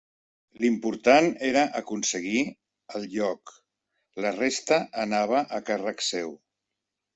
L'important era aconseguir el lloc; la resta anava a càrrec seu.